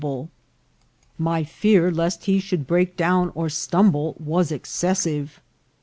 able. My fear lest he should break down or stumble was excessive.